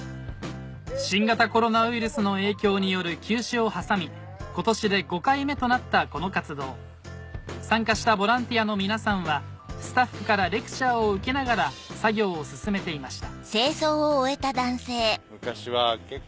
新型コロナウイルスの影響による休止を挟み今年で５回目となったこの活動参加したボランティアの皆さんはスタッフからレクチャーを受けながら作業を進めていました